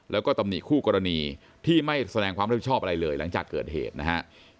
แล้วก็ตำหนิคู่กรณีที่ไม่แสดงความรับผิดชอบอะไรเลยหลังจากเกิดเหตุนะฮะ